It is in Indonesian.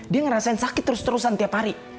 dia ngerasain sakit terus terusan tiap hari